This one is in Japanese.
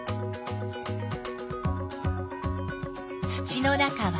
土の中は？